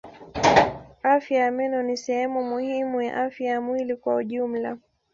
Afya ya meno ni sehemu muhimu ya afya ya mwili kwa jumla.